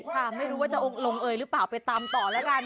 ค่ะไม่รู้ว่าจะลงเอยหรือเปล่าไปตามต่อแล้วกัน